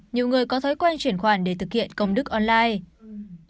nhiều người có thói quen chuyển khoản để thực hiện công đức online